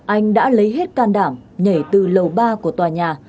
anh đã lấy hết can đảm nhảy từ lầu ba của tòa nhà